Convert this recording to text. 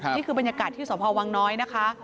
นี่คือบรรยากาศที่สพวังน้อยนะคะ